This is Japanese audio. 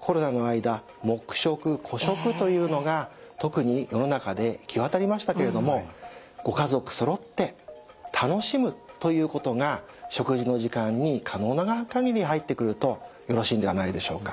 コロナの間黙食個食というのが特に世の中で行き渡りましたけれどもご家族そろって楽しむということが食事の時間に可能な限り入ってくるとよろしいんではないでしょうか？